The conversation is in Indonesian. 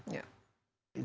sekarang utamakan keselamatan